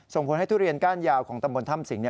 ส่งผลให้ทุเรียนก้านยาวของตำบลถ้ำสิงห์